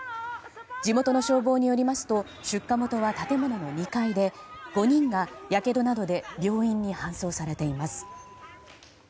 地元の消防によりますと出火元は建物の２階で５人がやけどなどで病院に搬送されています。